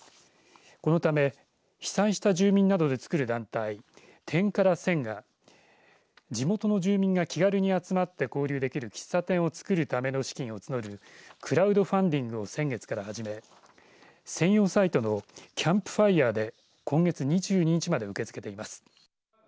このため被災した住民などで作る団体テンカラセンが地元の住民が気軽に集まって交流できる喫茶店を作るための資金を募るクラウドファンディングを先月から始め専用サイトのＣＡＭＰＦＩＲＥで今月２２日まで受け付けています。